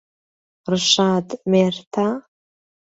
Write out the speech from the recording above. ڕەشاد مێردتە؟